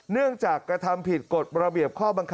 เนื่องจากกระทำผิดโกรธประเบียบวิธีข้อบังคับ